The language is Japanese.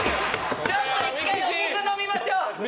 ちょっと一回お水飲みましょう。